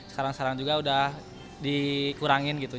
sekarang sekarang juga udah dikurangin gitu